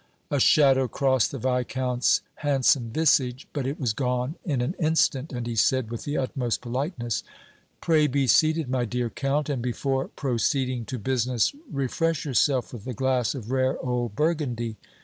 A shadow crossed the Viscount's handsome visage, but it was gone in an instant, and he said, with the utmost politeness: "Pray be seated, my dear Count, and before proceeding to business refresh yourself with a glass of rare old Burgundy.